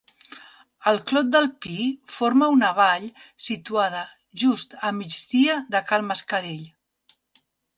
El Clot del Pi forma una vall situada just a migdia de Cal Mascarell.